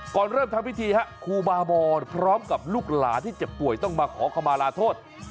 ก่อนเริ่มทำพิธีฮะครูบามอนพร้อมกับลูกหลานที่เจ็บป่วยต้องมาขอขมาลาโทษ